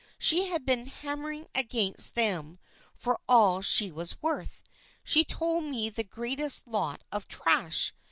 She had been hammering against them for all she was worth. She told me the greatest lot of trash.